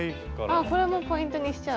あこれもポイントにしちゃう。